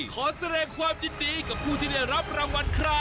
ขอแสดงความยินดีกับผู้ที่ได้รับรางวัลครับ